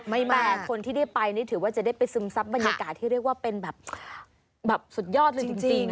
แต่คนที่ได้ไปนี่ถือว่าจะได้ไปซึมซับบรรยากาศที่เรียกว่าเป็นแบบสุดยอดเลยจริง